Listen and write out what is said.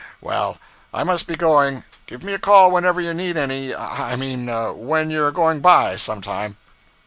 Well, I must be going. Give me a call whenever you need any I mean, when you're going by, sometime.'